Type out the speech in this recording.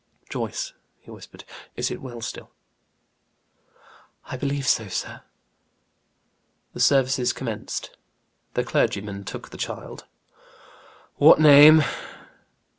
"Joyce," he whispered, "is it well still?" "I believe so, sir." The services commenced. The clergyman took the child. "What name?"